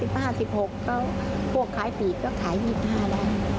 พวกเขาขายปีกก็ขาย๒๕บาท